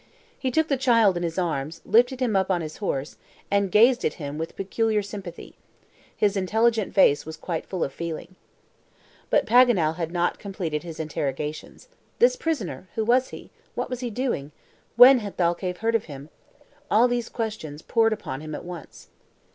He took the child in his arms, lifted him up on his horse, and gazed at him with peculiar sympathy. His intelligent face was full of quiet feeling. But Paganel had not completed his interrogations. "This prisoner, who was he? What was he doing? When had Thalcave heard of him?" All these questions poured upon him at once.